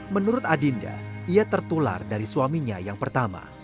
menurut adinda ia tertular dari suaminya yang pertama